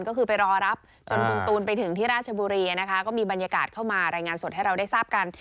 ก็คือไปรอรับจนคุณตูนไปถึงที่ราชบุรีนะคะก็มีบรรยากาศเข้ามารายงานสดให้เราได้ทราบกัน